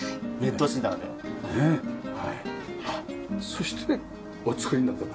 そしてお作りになった？